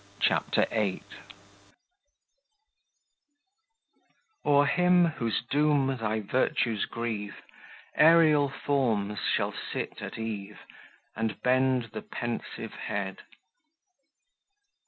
CHAPTER VIII O'er him, whose doom thy virtues grieve, Aerial forms shall sit at eve, and bend the pensive head.